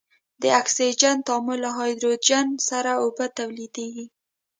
د اکسجن تعامل له هایدروجن سره اوبه تولیدیږي.